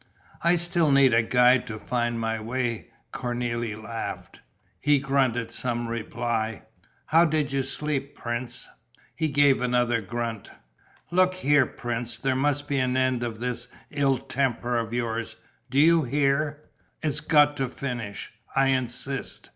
"I still need a guide to find my way," Cornélie laughed. He grunted some reply. "How did you sleep, prince?" He gave another grunt. "Look here, prince, there must be an end of this ill temper of yours. Do you hear? It's got to finish. I insist.